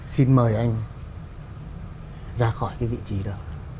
xin mời anh ra khỏi cái vị trí đó